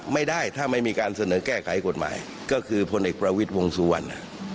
ไม่ได้ถ้าไม่มีการเสนอแก้ไขกฎหมายก็คือพลเอกประวิทย์วงสุวรรณ